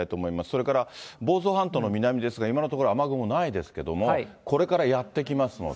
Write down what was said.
それから房総半島の南ですが、今のところ、雨雲ないですけども、これからやって来ますので。